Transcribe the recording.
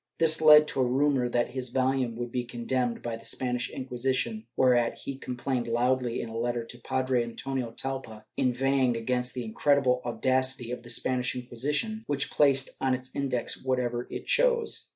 This led to a rumor that his volume would be condemned by the Spanish Inquisition, whereat he com plained loudly, in a letter to Padre Antonio Talpa, inveighing against the incredible audacity of the Spanish Inquisition, which placed on its Index whatever it chose.